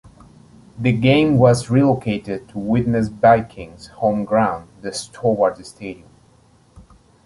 The game was relocated to Widnes Vikings home ground, the Stobart Stadium.